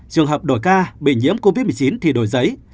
trường hợp đổi ca bị nhiễm covid một mươi chín thì đổi giấy